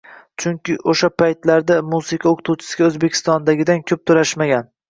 Chunki oʻsha paytlarda musiqa oʻqituvchisiga Oʻzbekistondagidan koʻp toʻlashmagan.